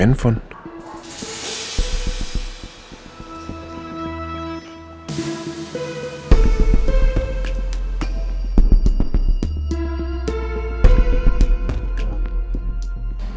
jangan sampai andin di luar